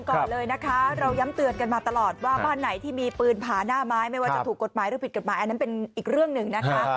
ก่อนเลยนะคะเราย้ำเตือนกันมาตลอดว่าบ้านไหนที่มีปืนผาหน้าไม้ไม่ว่าจะถูกกฎหมายหรือผิดกฎหมายอันนั้นเป็นอีกเรื่องหนึ่งนะคะ